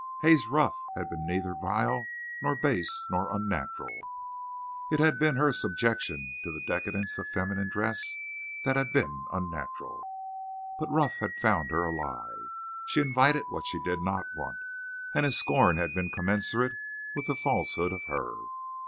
Haze Ruff had been neither vile nor base nor unnatural. It had been her subjection to the decadence of feminine dress that had been unnatural. But Ruff had found her a lie. She invited what she did not want. And his scorn had been commensurate with the falsehood of her.